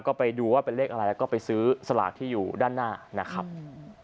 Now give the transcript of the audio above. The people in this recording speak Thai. ก็ไปดูว่าเป็นเลขอะไรแล้วก็ไปซื้อสลากที่อยู่ด้านหน้านะครับ